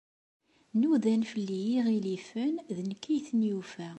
Nudan fell-i yiɣilifen, d nekk i ten-yufa.